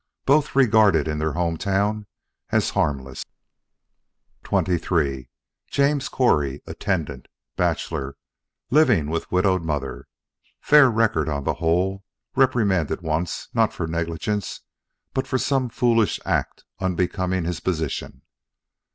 Both regarded in their home town as harmless. XXIII James Correy, attendant. Bachelor, living with widowed mother. Fair record on the whole. Reprimanded once, not for negligence, but for some foolish act unbecoming his position.